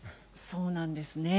そうなんですね。